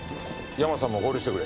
ヤマさんも合流してくれ。